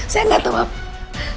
saya gak tahu apa